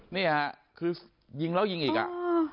นี่ค่ะคือยิงแล้วยิงอีกอ่ะ